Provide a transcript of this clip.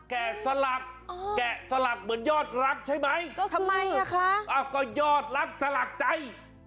แกะสลักเหมือนยอดรักใช่ไหมอ้าวก็ยอดรักสลักใจ